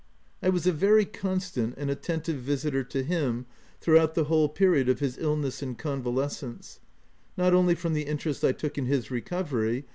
I was a very constant and attentive visiter to him throughout the whole period of his illness and convalescence ; not only from the interest I took in his recovery, OF WILDFELL HALL.